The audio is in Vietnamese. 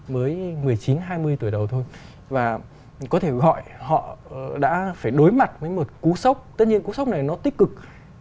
mới một mươi chín hai mươi tuổi đầu thôi và có thể gọi họ đã phải đối mặt với một cú sốc tất nhiên cú sốc này nó tích cực